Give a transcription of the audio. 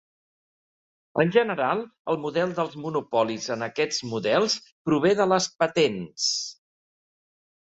En general el model dels monopolis en aquests models prové de les patents.